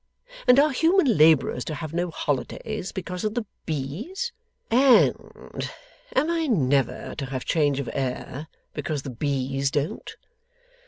And are human labourers to have no holidays, because of the bees? And am I never to have change of air, because the bees don't?